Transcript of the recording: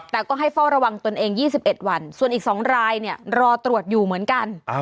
แต่ก็ให้เฝ้าระวังตนเอง๒๑วันส่วนอีก๒รายรอตรวจอยู่เหมือนกัน